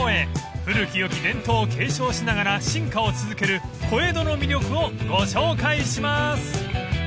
古きよき伝統を継承しながら進化を続ける小江戸の魅力をご紹介します］